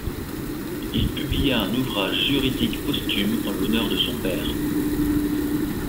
Il publia un ouvrage juridique posthume en l'honneur de son père.